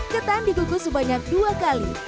ketan dikukus sebanyak dua kali